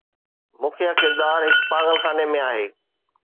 مکيه ڪردار هڪ پاگل خاني ۾ آهي.